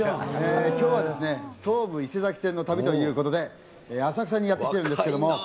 きょうは、東武伊勢崎線の旅ということで、浅草にやって来ているんですけれども。